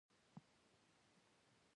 باد د باغونو خاموشي ماتوي